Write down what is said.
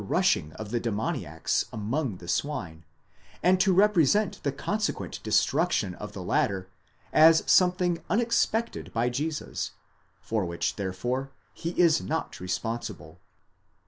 rushing of the demoniacs among the swine, and to represent the consequent destruction of the latter as something unexpected by Jesus, for which there fore he is not responsible : 83.